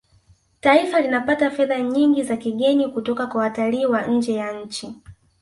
taifa linapata fedha nyingi za kigeni kutoka kwa watalii wa nje ya nchi